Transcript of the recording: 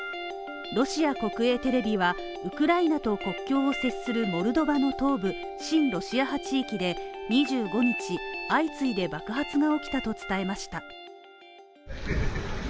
ロシア国営テレビは、ウクライナと国境を接するモルドバの東部、親ロシア派地域で２５日、相次いで爆発が起きたと伝えました。